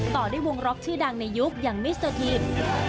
ต่อด้วยวงล็อกชื่อดังในยุคอย่างมิสเตอร์ทีม